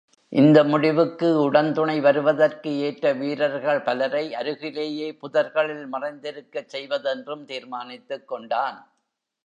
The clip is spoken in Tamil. இந்த முடிவுக்கு உடன்துணை வருவதற்கு ஏற்ற வீரர்கள் பலரை அருகிலேயே புதர்களில் மறைந்திருக்கச் செய்வதென்றும் தீர்மானித்துக் கொண்டான்.